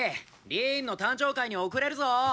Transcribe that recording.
リーンの誕生会に遅れるぞ！